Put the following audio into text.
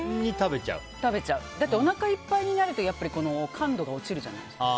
だって、おなかいっぱいになると感度が落ちるじゃないですか。